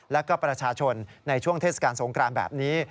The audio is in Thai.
และก็ประชาชนในช่วงเทศกาลทรงกรารธรรมแบบนี้